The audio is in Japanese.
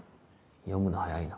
読むの早いな。